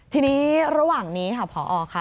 ทีนี้ระหว่างนี้ค่ะผอค่ะ